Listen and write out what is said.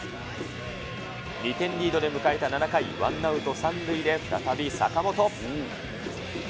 ２点リードで迎えた７回、ワンアウト３塁で再び坂本。